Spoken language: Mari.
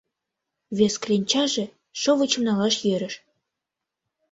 Вес кленчаже шовычым налаш йӧрыш.